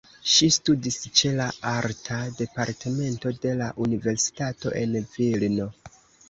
Ŝi studis ĉe la Arta Departemento de la Universitato en Vilno.